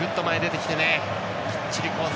きっちりコース